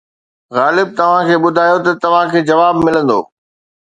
غالب توهان کي ٻڌايو ته توهان کي جواب ملندو